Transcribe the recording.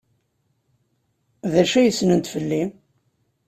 D acu ay ssnent fell-i?